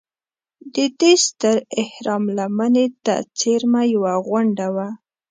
د دې ستر اهرام لمنې ته څېرمه یوه غونډه وه.